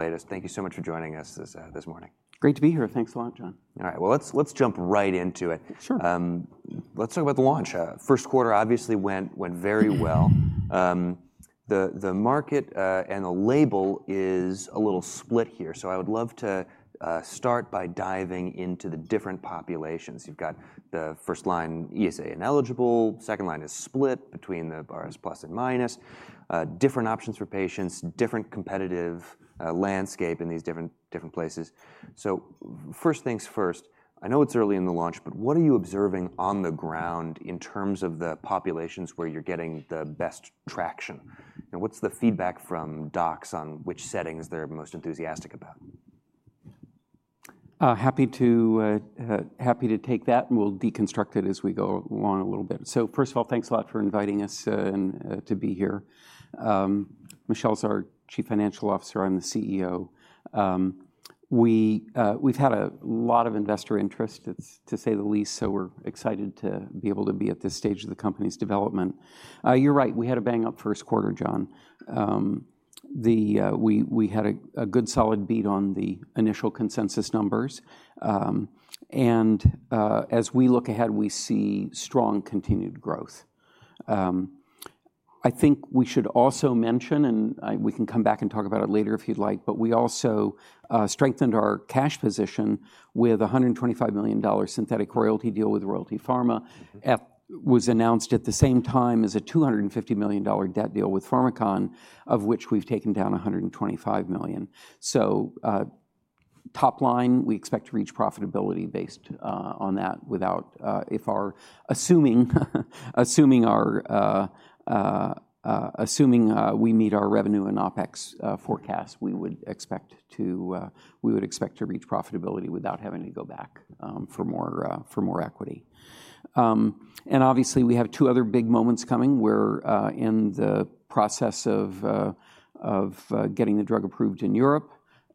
Thank you so much for joining us this morning. Great to be here. Thanks a lot, John. All right. Well, let's jump right into it. Sure. Let's talk about the launch. First quarter obviously went very well. The market and the label is a little split here. So I would love to start by diving into the different populations. You've got the first line ESA ineligible, second line is split between the RS positive and RS negative, different options for patients, different competitive landscape in these different places. So first things first, I know it's early in the launch, but what are you observing on the ground in terms of the populations where you're getting the best traction? What's the feedback from docs on which settings they're most enthusiastic about? Happy to take that, and we'll deconstruct it as we go along a little bit. So first of all, thanks a lot for inviting us to be here. Michelle's our Chief Financial Officer. I'm the CEO. We've had a lot of investor interest, to say the least, so we're excited to be able to be at this stage of the company's development. You're right, we had a bang-up first quarter, John. We had a good solid beat on the initial consensus numbers. And as we look ahead, we see strong continued growth. I think we should also mention, and we can come back and talk about it later if you'd like, but we also strengthened our cash position with a $125 million synthetic royalty deal with Royalty Pharma, which was announced at the same time as a $250 million debt deal with Pharmakon, of which we've taken down $125 million. So, top line, we expect to reach profitability based on that without assuming we meet our revenue and OpEx forecast. We would expect to reach profitability without having to go back for more equity. And obviously, we have two other big moments coming. We're in the process of getting the drug approved in Europe.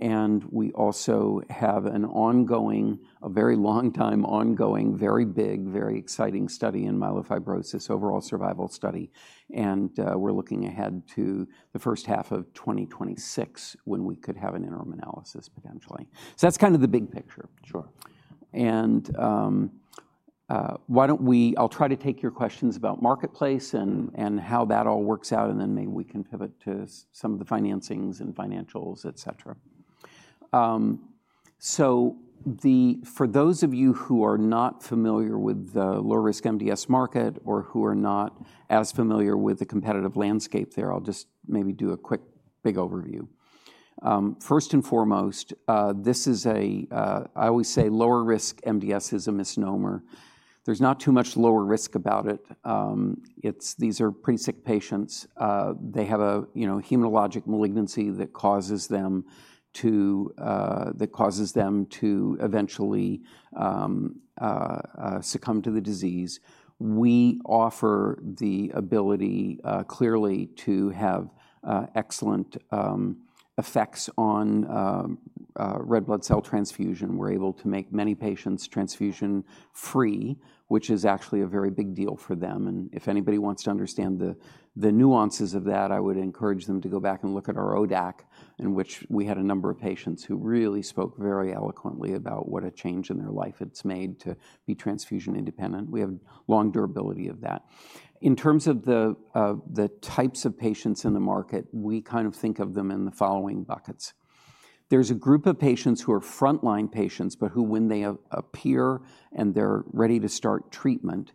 And we also have a very long-time ongoing, very big, very exciting study in myelofibrosis, overall survival study. And we're looking ahead to the first half of 2026 when we could have an interim analysis, potentially. So that's kind of the big picture. Sure. I'll try to take your questions about marketplace and how that all works out, and then maybe we can pivot to some of the financings and financials, et cetera. For those of you who are not familiar with the low-risk MDS market or who are not as familiar with the competitive landscape there, I'll just maybe do a quick big overview. First and foremost, I always say lower risk MDS is a misnomer. There's not too much lower risk about it. These are pretty sick patients. They have a hematologic malignancy that causes them to eventually succumb to the disease. We offer the ability clearly to have excellent effects on red blood cell transfusion. We're able to make many patients transfusion-free, which is actually a very big deal for them. And if anybody wants to understand the nuances of that, I would encourage them to go back and look at our ODAC, in which we had a number of patients who really spoke very eloquently about what a change in their life it's made to be transfusion independent. We have long durability of that. In terms of the types of patients in the market, we kind of think of them in the following buckets. There's a group of patients who are frontline patients, but when they appear and they're ready to start treatment,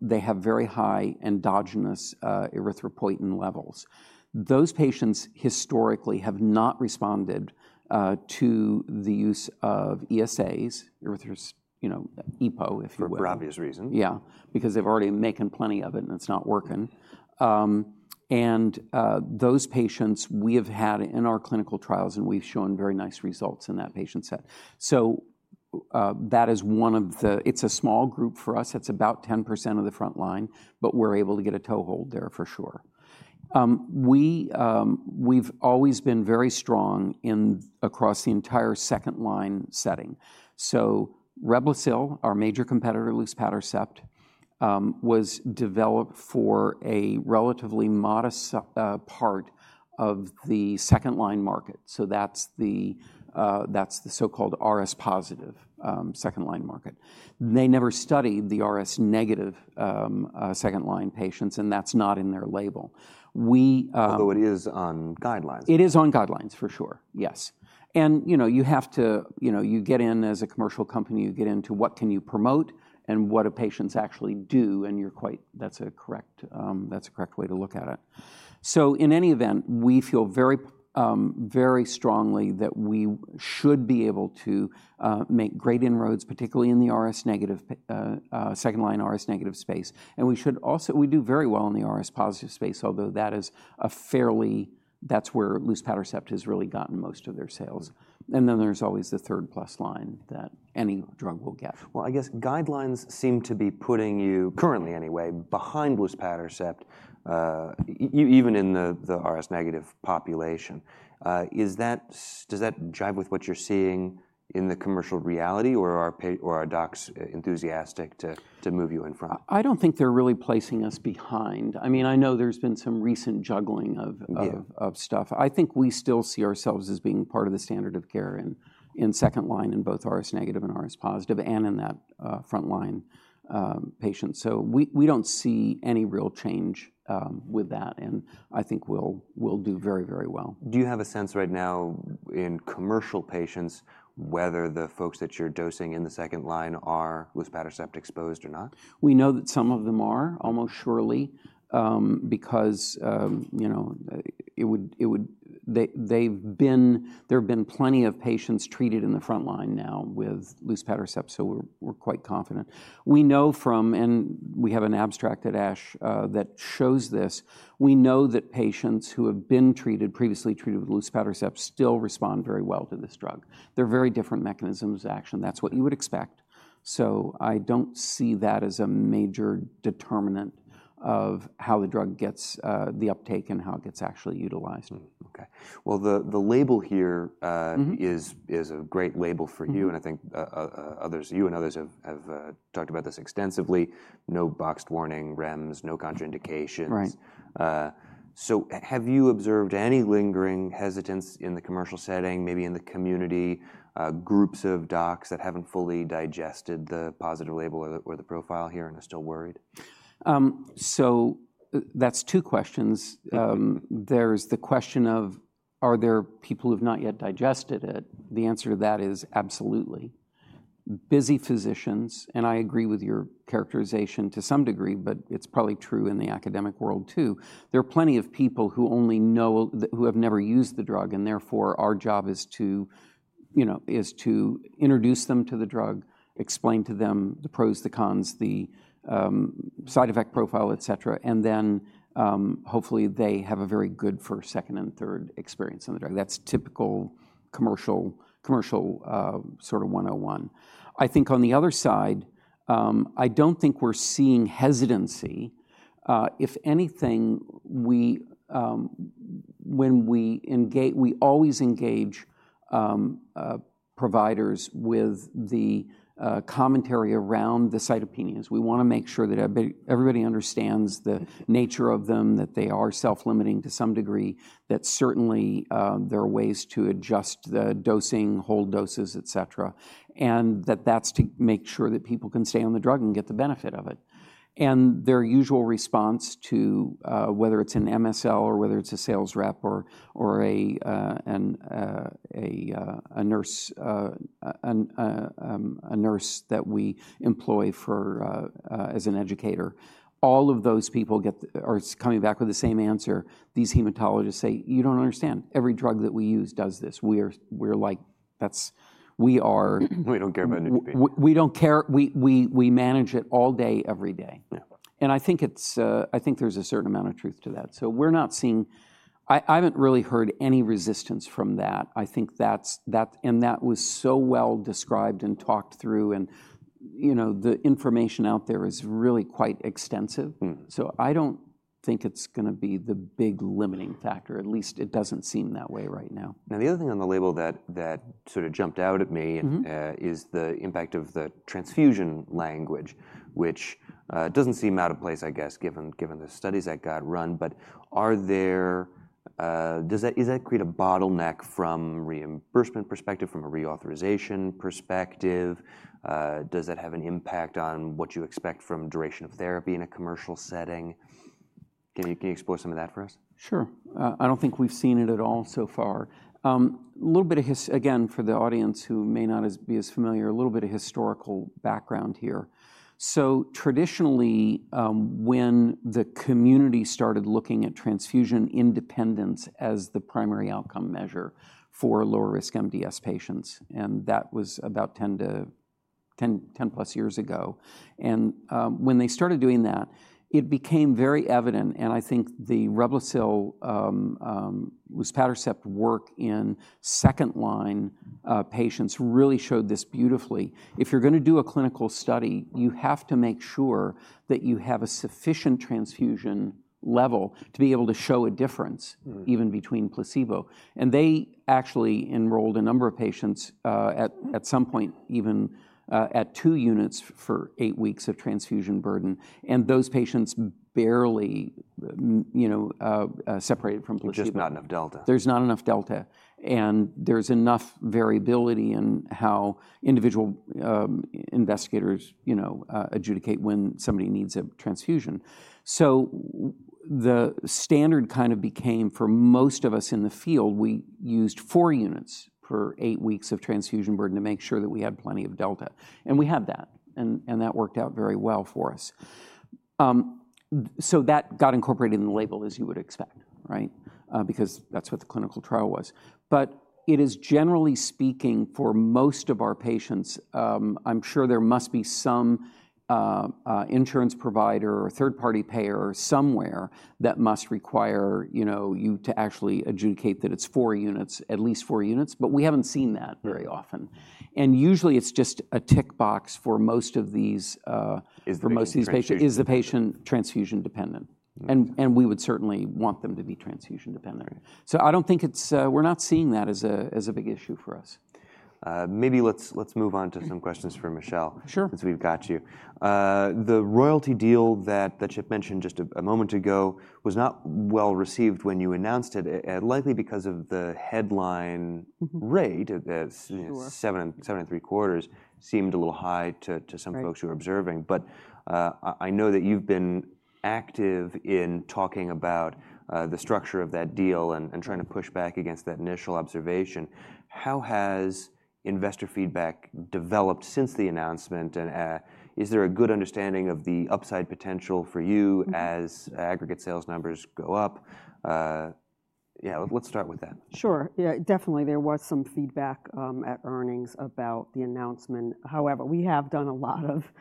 they have very high endogenous erythropoietin levels. Those patients historically have not responded to the use of ESAs, EPO, if you're aware. For obvious reasons. Yeah, because they've already been making plenty of it, and it's not working. And those patients we have had in our clinical trials, and we've shown very nice results in that patient set. So that is one of the, it's a small group for us. It's about 10% of the frontline, but we're able to get a toehold there for sure. We've always been very strong across the entire second line setting. So Reblozyl, our major competitor, luspatercept, was developed for a relatively modest part of the second line market. So that's the so-called RS positive second line market. They never studied the RS negative second line patients, and that's not in their label. Although it is on guidelines. It is on guidelines, for sure. Yes. And you get in as a commercial company, you get into what can you promote and what do patients actually do, and that's a correct way to look at it. So in any event, we feel very strongly that we should be able to make great inroads, particularly in the second-line RS negative space. And we do very well in the RS positive space, although that's where luspatercept has really gotten most of their sales. And then there's always the third-plus line that any drug will get. I guess guidelines seem to be putting you, currently anyway, behind luspatercept, even in the RS negative population. Does that jive with what you're seeing in the commercial reality, or are docs enthusiastic to move you in front? I don't think they're really placing us behind. I mean, I know there's been some recent juggling of stuff. I think we still see ourselves as being part of the standard of care in second line in both RS negative and RS positive and in that front line patient. So we don't see any real change with that. And I think we'll do very, very well. Do you have a sense right now in commercial patients whether the folks that you're dosing in the second line are luspatercept exposed or not? We know that some of them are, almost surely, because there have been plenty of patients treated in the front line now with luspatercept, so we're quite confident. We know from, and we have an abstract at ASH that shows this, we know that patients who have been previously treated with luspatercept still respond very well to this drug. They're very different mechanisms of action. That's what you would expect. So I don't see that as a major determinant of how the drug gets the uptake and how it gets actually utilized. Well, the label here is a great label for you. I think you and others have talked about this extensively. No boxed warning, REMS, no contraindications. Right. So have you observed any lingering hesitance in the commercial setting, maybe in the community, groups of docs that haven't fully digested the positive label or the profile here and are still worried? So that's two questions. There's the question of, are there people who have not yet digested it? The answer to that is absolutely. Busy physicians, and I agree with your characterization to some degree, but it's probably true in the academic world too. There are plenty of people who have never used the drug, and therefore our job is to introduce them to the drug, explain to them the pros, the cons, the side effect profile, et cetera. And then hopefully they have a very good first, second, and third experience on the drug. That's typical commercial sort of 101. I think on the other side, I don't think we're seeing hesitancy. If anything, we always engage providers with the commentary around the cytopenias. We want to make sure that everybody understands the nature of them, that they are self-limiting to some degree, that certainly there are ways to adjust the dosing, hold doses, et cetera, and that that's to make sure that people can stay on the drug and get the benefit of it. And their usual response to whether it's an MSL or whether it's a sales rep or a nurse that we employ as an educator, all of those people are coming back with the same answer. These hematologists say, you don't understand. Every drug that we use does this. We are like, we are. We don't care about anything. We don't care. We manage it all day, every day. And I think there's a certain amount of truth to that. So we're not seeing, I haven't really heard any resistance from that. I think that was so well described and talked through. And the information out there is really quite extensive. So I don't think it's going to be the big limiting factor. At least it doesn't seem that way right now. Now, the other thing on the label that sort of jumped out at me is the impact of the transfusion language, which doesn't seem out of place, I guess, given the studies that got run. But does that create a bottleneck from a reimbursement perspective, from a reauthorization perspective? Does that have an impact on what you expect from duration of therapy in a commercial setting? Can you explore some of that for us? Sure. I don't think we've seen it at all so far. A little bit of, again, for the audience who may not be as familiar, a little bit of historical background here. So traditionally, when the community started looking at transfusion independence as the primary outcome measure for lower risk MDS patients, and that was about 10+ years ago. And when they started doing that, it became very evident. And I think the Reblozyl, luspatercept work in second line patients really showed this beautifully. If you're going to do a clinical study, you have to make sure that you have a sufficient transfusion level to be able to show a difference, even between placebo. And they actually enrolled a number of patients at some point, even at two units for eight weeks of transfusion burden. And those patients barely separated from placebo. There's just not enough delta. There's not enough delta. And there's enough variability in how individual investigators adjudicate when somebody needs a transfusion. So the standard kind of became for most of us in the field, we used four units for eight weeks of transfusion burden to make sure that we had plenty of delta. And we had that. And that worked out very well for us. So that got incorporated in the label, as you would expect, right? Because that's what the clinical trial was. But it is, generally speaking, for most of our patients, I'm sure there must be some insurance provider or third-party payer somewhere that must require you to actually adjudicate that it's four units, at least four units. But we haven't seen that very often. And usually, it's just a tick box for most of these patients. Is the patient transfusion dependent? We would certainly want them to be transfusion dependent. I don't think we're not seeing that as a big issue for us. Maybe let's move on to some questions for Michelle since we've got you. The royalty deal that you mentioned just a moment ago was not well received when you announced it, likely because of the headline rate. Sure. 7.75 seemed a little high to some folks who were observing. But I know that you've been active in talking about the structure of that deal and trying to push back against that initial observation. How has investor feedback developed since the announcement? And is there a good understanding of the upside potential for you as aggregate sales numbers go up? Yeah, let's start with that. Sure. Yeah, definitely, there was some feedback at earnings about the announcement. However, we have done a lot of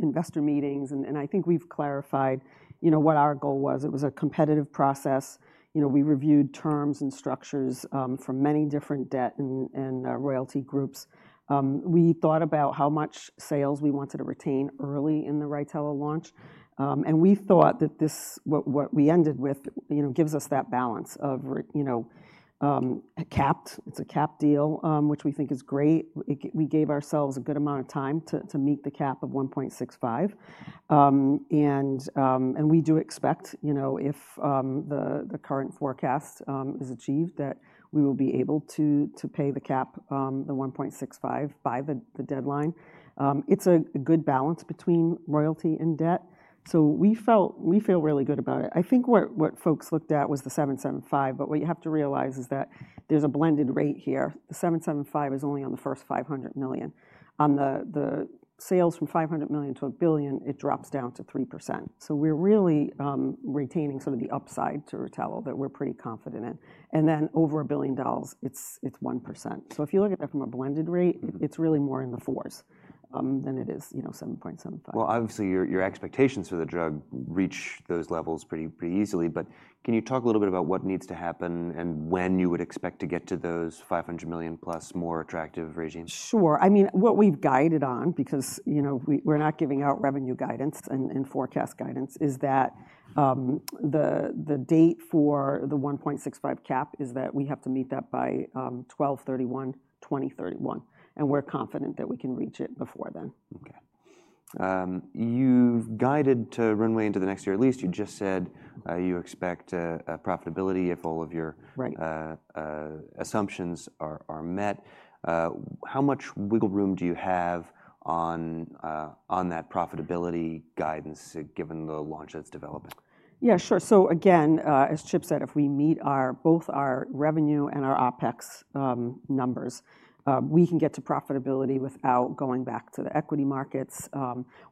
investor meetings. And I think we've clarified what our goal was. It was a competitive process. We reviewed terms and structures from many different debt and royalty groups. We thought about how much sales we wanted to retain early in the Rytelo launch. And we thought that what we ended with gives us that balance of capped. It's a cap deal, which we think is great. We gave ourselves a good amount of time to meet the cap of 1.65. And we do expect, if the current forecast is achieved, that we will be able to pay the cap, the 1.65, by the deadline. It's a good balance between royalty and debt. So we feel really good about it. I think what folks looked at was the 7.75. But what you have to realize is that there's a blended rate here. The 7.75 is only on the first $500 million. On the sales from $500 million to $1 billion, it drops down to 3%. So we're really retaining sort of the upside to Rytelo that we're pretty confident in. And then over $1 billion, it's 1%. So if you look at that from a blended rate, it's really more in the fours than it is 7.75. Obviously, your expectations for the drug reach those levels pretty easily. But can you talk a little bit about what needs to happen and when you would expect to get to those $500 million+ more attractive regimes? Sure. I mean, what we've guided on, because we're not giving out revenue guidance and forecast guidance, is that the date for the 1.65 cap is that we have to meet that by 12/31/2031. And we're confident that we can reach it before then. Okay. You've guided to runway into the next year. At least you just said you expect profitability if all of your assumptions are met. How much wiggle room do you have on that profitability guidance given the launch that's developing? Yeah, sure. So again, as Chip said, if we meet both our revenue and our OpEx numbers, we can get to profitability without going back to the equity markets.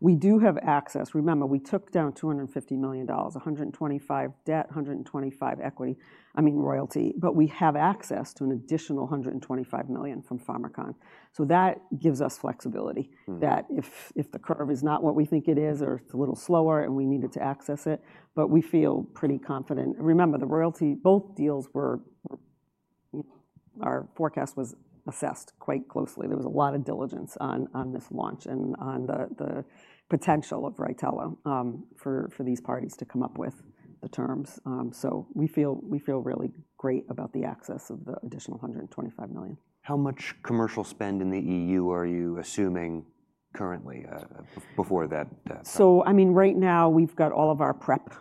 We do have access. Remember, we took down $250 million, $125 million debt, $125 million equity, I mean, royalty. But we have access to an additional $125 million from Pharmakon. So that gives us flexibility that if the curve is not what we think it is or it's a little slower and we needed to access it, but we feel pretty confident. Remember, both deals, our forecast was assessed quite closely. There was a lot of diligence on this launch and on the potential of Rytelo for these parties to come up with the terms. So we feel really great about the access of the additional $125 million. How much commercial spend in the EU are you assuming currently before that? So I mean, right now, we've got all of our prep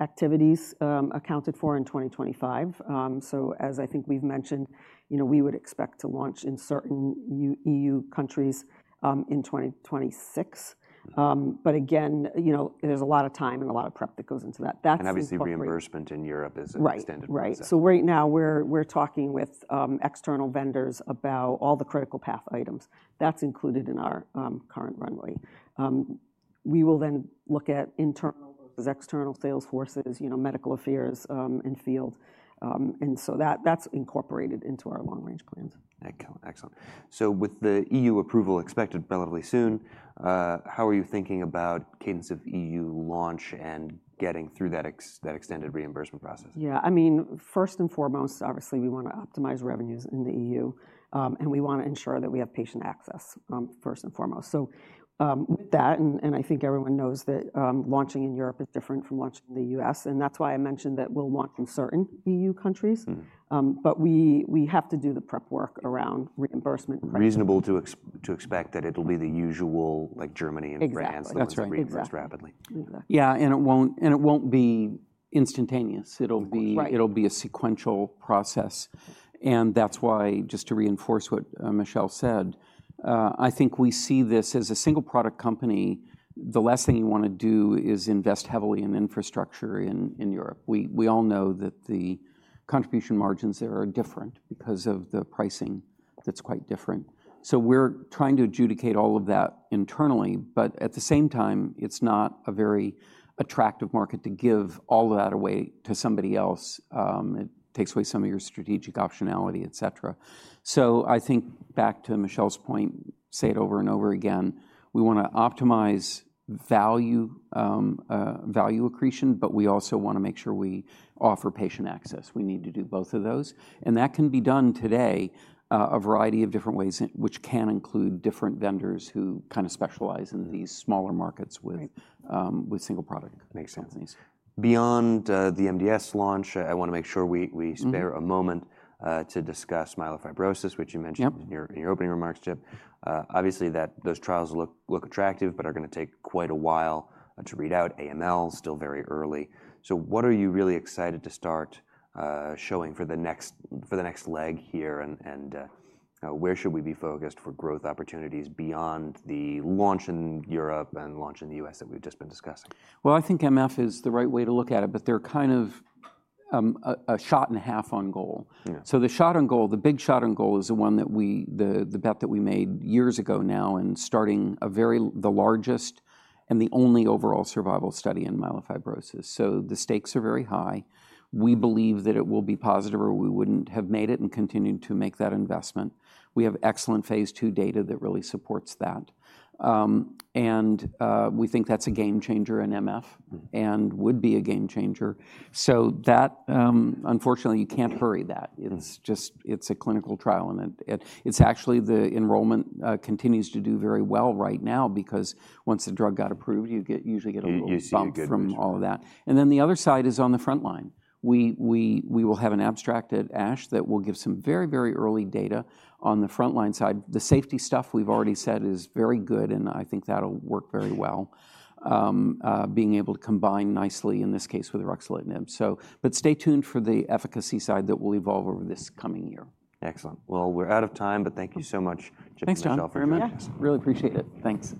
activities accounted for in 2025. So as I think we've mentioned, we would expect to launch in certain EU countries in 2026. But again, there's a lot of time and a lot of prep that goes into that. Obviously, reimbursement in Europe is an extended process. Right. So right now, we're talking with external vendors about all the critical path items. That's included in our current runway. We will then look at internal versus external sales forces, medical affairs, and field. And so that's incorporated into our long-range plans. Excellent. So with the EU approval expected relatively soon, how are you thinking about cadence of EU launch and getting through that extended reimbursement process? Yeah. I mean, first and foremost, obviously, we want to optimize revenues in the EU. And we want to ensure that we have patient access first and foremost. So with that, and I think everyone knows that launching in Europe is different from launching in the U.S. And that's why I mentioned that we'll launch in certain EU countries. But we have to do the prep work around reimbursement. Reasonable to expect that it'll be the usual, like Germany and France. Exactly. That's right. Exactly. That's rapidly. Exactly. Yeah. And it won't be instantaneous. It'll be a sequential process. And that's why, just to reinforce what Michelle said, I think we see this as a single product company. The last thing you want to do is invest heavily in infrastructure in Europe. We all know that the contribution margins there are different because of the pricing that's quite different. So we're trying to adjudicate all of that internally. But at the same time, it's not a very attractive market to give all of that away to somebody else. It takes away some of your strategic optionality, et cetera. So I think back to Michelle's point, say it over and over again, we want to optimize value accretion, but we also want to make sure we offer patient access. We need to do both of those. And that can be done today a variety of different ways, which can include different vendors who kind of specialize in these smaller markets with single product companies. Makes sense. Beyond the MDS launch, I want to make sure we spare a moment to discuss myelofibrosis, which you mentioned in your opening remarks, Chip. Obviously, those trials look attractive, but are going to take quite a while to read out. AML is still very early. So what are you really excited to start showing for the next leg here? And where should we be focused for growth opportunities beyond the launch in Europe and launch in the U.S. that we've just been discussing? I think MF is the right way to look at it. But they're kind of a shot and a half on goal. So the shot on goal, the big shot on goal is the one that we, the bet that we made years ago now in starting the largest and the only overall survival study in myelofibrosis. So the stakes are very high. We believe that it will be positive or we wouldn't have made it and continued to make that investment. We have excellent phase two data that really supports that. And we think that's a game changer in MF and would be a game changer. So that, unfortunately, you can't hurry that. It's just, it's a clinical trial. And it's actually the enrollment continues to do very well right now because once the drug got approved, you usually get a little bump from all of that. And then the other side is on the front line. We will have an abstract at ASH that will give some very, very early data on the front line side. The safety stuff we've already said is very good. And I think that'll work very well, being able to combine nicely, in this case, with ruxolitinib. But stay tuned for the efficacy side that will evolve over this coming year. Excellent. Well, we're out of time. But thank you so much, Chip, for your help. Thanks very much. Really appreciate it. Thanks.